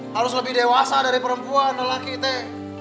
harus lebih dewasa dari perempuan dan laki teh